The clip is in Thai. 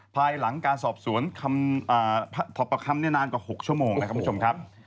ภายหลังการสอบสวนทบประคำเนี่ยนานกว่า๖ชั่วโมงนะครับ